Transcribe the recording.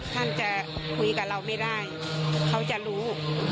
ท่านจะคุยกับเราไม่ได้เขาจะรู้